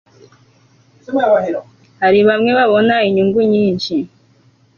Hari bamwe babona inyungu nyinshi